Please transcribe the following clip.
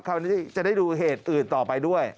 คราวนี้จะได้ดูเหตุอื่นต่อไปด้วย